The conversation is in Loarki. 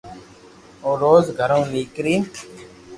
او روز گھرو نيڪرين